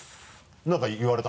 何か言われた？